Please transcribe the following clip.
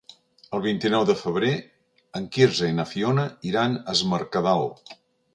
El vint-i-nou de febrer en Quirze i na Fiona iran a Es Mercadal.